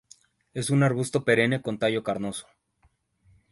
Es un arbusto perenne con tallo carnoso.